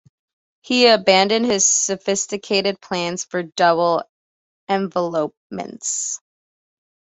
He abandoned his sophisticated plans for double envelopments.